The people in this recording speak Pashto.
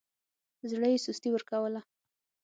زړه يې سستي ورکوله.